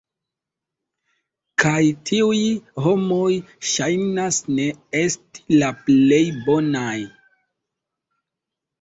Kaj tiuj homoj ŝajnas ne esti la plej bonaj